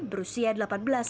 berusia delapan tahun